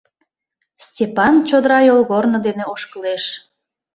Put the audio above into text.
Степан чодыра йолгорно дене ошкылеш.